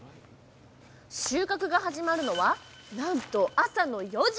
収穫が始まるのはなんと朝の４時。